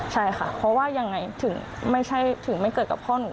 ใช่ค่ะเพราะว่ายังไงถึงไม่เกิดกับพ่อหนู